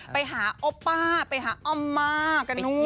ไปหาโอปป้าไปหาอ้อมมากันนู่น